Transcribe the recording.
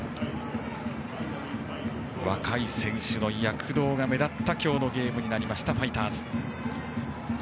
若い選手の躍動が目立った今日のゲームになりましたファイターズ。